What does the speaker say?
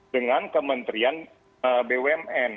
dengan kementerian bumn